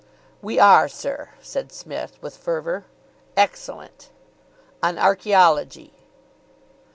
"We are, sir," said Psmith, with fervour. "Excellent." "On archaeology."